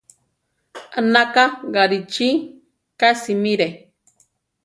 Anaka Garichí ka simire.